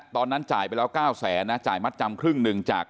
ตอนนั้นจ่ายไปแล้ว๙แสนจ่ายมัตรจำครึ่ง๑